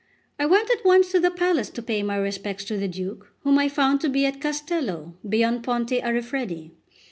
I went at once to the palace to pay my respects to the Duke, whom I found to be at Castello beyond Ponte a Rifredi.